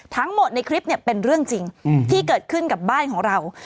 ทั้งหมดในคลิปเป็นเรื่องจริงที่เกิดขึ้นกับบ้านของเรา